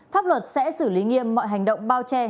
pháp luật sẽ xử lý nghiêm mọi hành động bao che